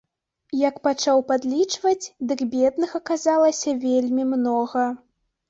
Як пачаў падлічваць, дык бедных аказалася вельмі многа.